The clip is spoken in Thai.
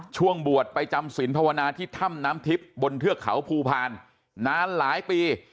ช่วงบวชไปจำสินภาวนาที่ถ้ำน้ำทิพย์บนเทือกเขาภูพาลนานหลายปี